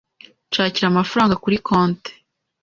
Nshakira amafaranga kuri konti